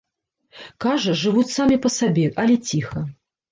Кажа, жывуць самі па сабе, але ціха.